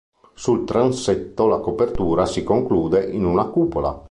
Sul transetto la copertura si conclude in una cupola.